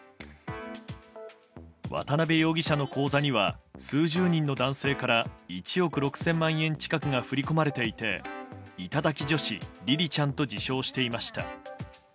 渡辺容疑者の口座には数十人の男性から１憶６０００万円近くが振り込まれていて頂き女子りりちゃんと自称していました。